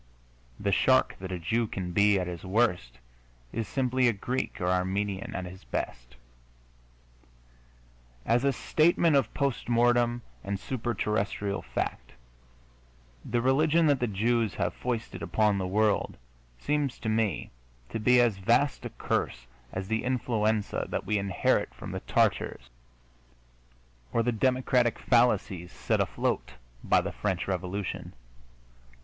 The shark that a Jew can be at his worst is simply a Greek or Armenian at his best. As a statement of post mortem and super terrestrial fact, the religion that the Jews have foisted upon the world seems to me to be as vast a curse as the influenza that we inherit from the Tatars or the democratic fallacies set afloat by the French Revolution.